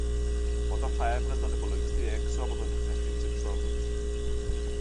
όταν θα έβγαζε τον υπολογιστή έξω από τον ανιχνευτή της εξόδου